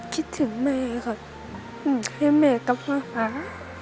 คิดถึงแม่ค่ะอยากให้แม่กลับมาหา